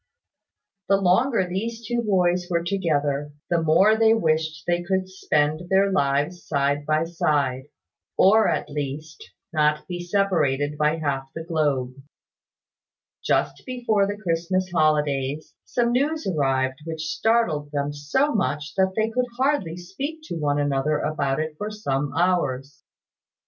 The longer these two boys were together, the more they wished they could spend their lives side by side; or, at least, not be separated by half the globe. Just before the Christmas holidays, some news arrived which startled them so much that they could hardly speak to one another about it for some hours.